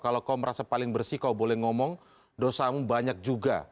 kalau kau merasa paling bersih kau boleh ngomong dosamu banyak juga